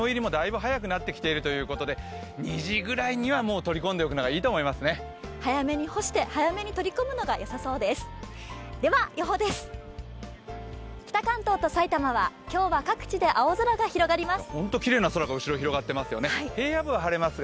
早めに干して、早めに取り込むのがよさそうです。